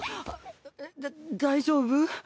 だ大丈夫？